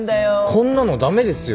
こんなの駄目ですよ。